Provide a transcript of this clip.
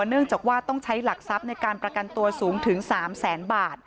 เนื่องจากว่าต้องใช้หลักทรัพย์ในการประกันตัวสูงถึง๓แสนบาท